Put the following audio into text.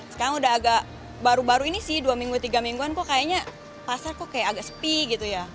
sekarang udah agak baru baru ini sih dua minggu tiga mingguan kok kayaknya pasar kok kayak agak sepi gitu ya